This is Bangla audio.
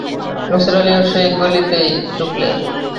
নিসার আলিও সেই গলিতে ঢুকলেন।